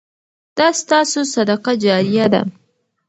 دا ستاسو صدقه جاریه ده.